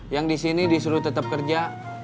yang di sini disuruh tetap kerja